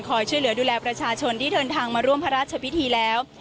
ช่วยเหลือดูแลประชาชนที่เดินทางมาร่วมพระราชพิธีแล้ว